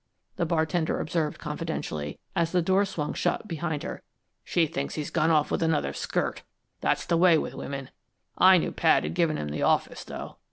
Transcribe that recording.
the bartender observed, confidentially, as the door swung shut behind her. "She thinks he's gone off with another skirt; that's the way with women! I knew Pad had given him the office, though.